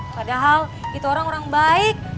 padahal itu orang orang baik